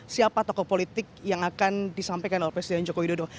siapa tokoh politik yang akan disampaikan oleh presiden joko widodo